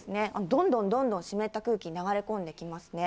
どんどんどんどん湿った空気、流れ込んできますね。